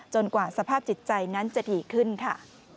กว่าสภาพจิตใจนั้นจะดีขึ้นค่ะ